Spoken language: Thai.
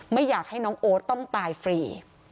ไม่อยากให้น้องโอ๊ตต้องตายฟรี